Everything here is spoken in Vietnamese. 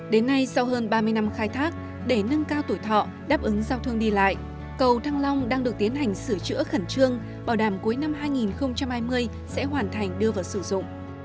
đến nay sau hơn ba mươi năm khai thác để nâng cao tuổi thọ đáp ứng giao thương đi lại cầu thăng long đang được tiến hành sửa chữa khẩn trương bảo đảm cuối năm hai nghìn hai mươi sẽ hoàn thành đưa vào sử dụng